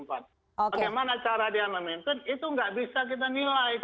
bagaimana cara dia memimpin itu tidak bisa kita nilai